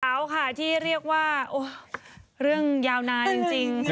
เอาค่ะที่เรียกว่าเรื่องยาวนานจริง